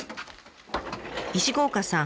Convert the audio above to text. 石郷岡さん